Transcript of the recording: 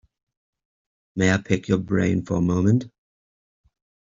May I pick your brain for a moment?